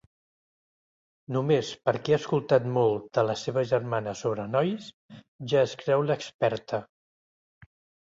Només perquè ha escoltat molt de la seva germana sobre nois ja es creu l'experta.